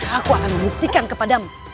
aku akan membuktikan kepadamu